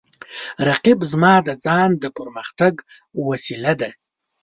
رقیب زما د ځان د پرمختګ وسیله ده